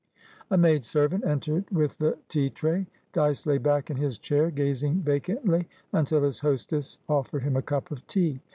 A maidservant entered with the tea tray. Dyce lay back in his chair, gazing vacantly, until his hostess offered him a cup of tea.